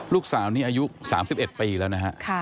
ลูกสาวนี้อายุ๓๑ปีแล้วนะฮะ